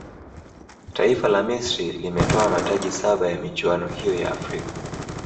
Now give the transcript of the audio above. taifa la misri limetwaa mataji saba ya michuano hiyo ya afrika